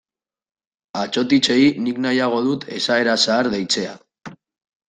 Atsotitzei nik nahiago dut esaera zahar deitzea.